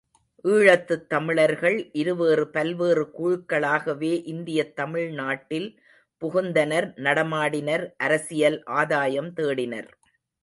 ஈழத்துத் தமிழர்கள் இருவேறு பல்வேறு குழுக்களாகவே இந்தியத் தமிழ்நாட்டில் புகுந்தனர் நடமாடினர் அரசியல் ஆதாயம் தேடினர்.